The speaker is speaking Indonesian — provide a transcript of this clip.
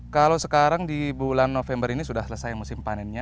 kalau sekarang di bulan november ini sudah selesai musim panennya